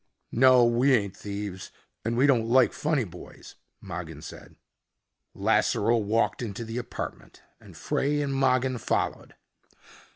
"No, we ain't thieves and we don't like funny boys," Mogin said. Lasseroe walked into the apartment and Frey and Mogin followed.